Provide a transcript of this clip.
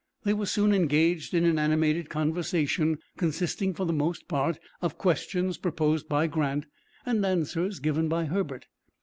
They were soon engaged in an animated conversation, consisting, for the most part, of questions proposed by Grant, and answers given by Herbert.